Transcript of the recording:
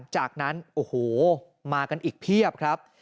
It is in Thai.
จากนั้นโอ้โหมากันอีกเพียบครับ